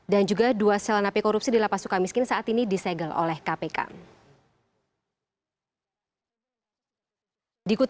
dan juga dua sel nafik korupsi di lapas sukamiskin saat ini disegel oleh kpk